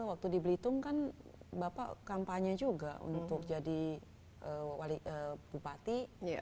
waktu di belitung kan bapak kampanye juga untuk jadi bupati